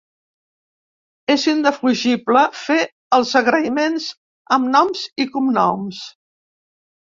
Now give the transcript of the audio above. És indefugible fer els agraïments amb noms i cognoms.